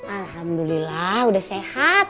alhamdulillah udah sehat